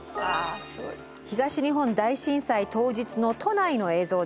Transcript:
東日本大震災当日の都内の映像です。